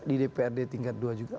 di dprd tingkat dua juga